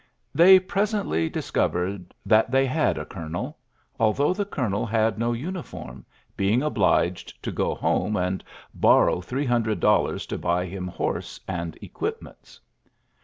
They presently discovered that they had a colonel^ although the colonel had no uniform, being obliged to go home and borrow three hundred dol lars to buy him horse and equipments.